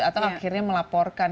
atau akhirnya melaporkan